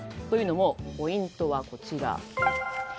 というのも、ポイントはこちら。